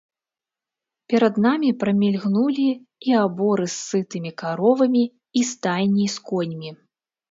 Перад намі прамільгнулі і аборы з сытымі каровамі, і стайні з коньмі.